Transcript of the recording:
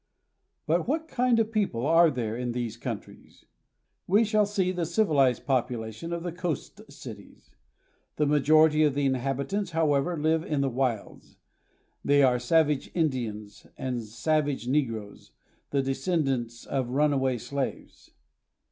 But what kind of people are there in these countries? We shall see the civilized population of the coast cities. The majority of the inhabitants, however, live in the wilds. They are savage Indians and savage negroes, the descend ants of runaway slaves.